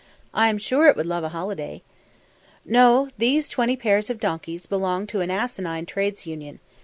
I'm sure it would love a holiday." No! These twenty pairs of donkeys belonged to an asinine Trades Union.